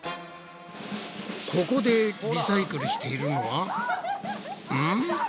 ここでリサイクルしているのはうん？